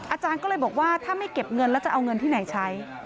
อาจารย์ก็เลยบอกว่าถ้าไม่เก็บเงินแล้วจะเอาเงินที่ไหนใช้